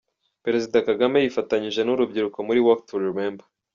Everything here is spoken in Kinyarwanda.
Perezida Kagame yifatanyije n'urubyiruko muri Walk To Remember.